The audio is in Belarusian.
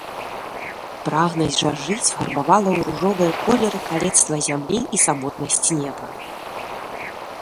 Прагнасць жа жыць фарбавала ў ружовыя колеры калецтва зямлі і самотнасць неба.